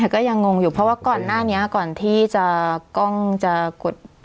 ก็ยังงงอยู่เพราะว่าก่อนหน้านี้ก่อนที่จะกล้องจะกด